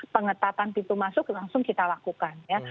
pengetatan pintu masuk langsung kita lakukan ya